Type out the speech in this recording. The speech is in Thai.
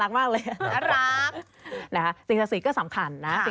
สิ่งศักดิ์สิทธิ์แรกที่เราจะแนะนำก็คือพระสังกะจาย